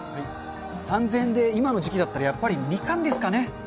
３０００円で今の時期だったら、やっぱりみかんですかね。